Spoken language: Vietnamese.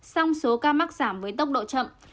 song số ca mắc giảm với tốc độ chậm